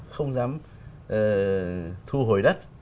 không dám thu hồi đất